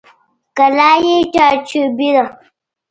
قلعه یې چارچوبي ده.